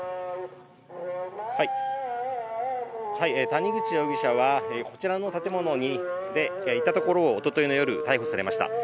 谷口容疑者はこちらの建物にいたところをおとといの夜、逮捕されました。